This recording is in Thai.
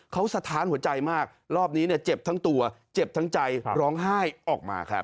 เขาสะท้านหัวใจมากรอบนี้เนี่ยเจ็บทั้งตัวเจ็บทั้งใจร้องไห้ออกมาครับ